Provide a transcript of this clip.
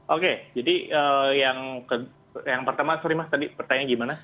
oke jadi yang pertama sorry mas tadi pertanyaannya gimana